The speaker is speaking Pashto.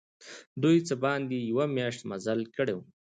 دوی څه باندي یوه میاشت مزل کړی وو.